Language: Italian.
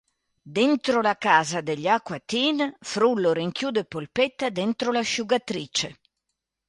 Dentro la casa degli Aqua Teen, Frullo rinchiude Polpetta dentro l'asciugatrice.